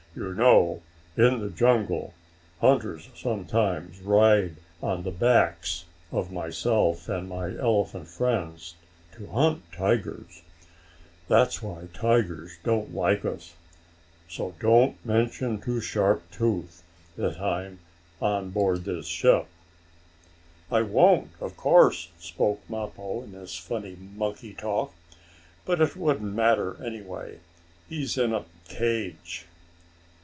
"You know in the jungle, hunters sometimes ride on the backs of myself, and my elephant friends, to hunt tigers. That's why the tigers don't like us. So don't mention to Sharp Tooth that I'm on board this ship." "I won't, of course," spoke Mappo in his funny, monkey talk. "But it wouldn't matter, anyhow, as he's in a cage."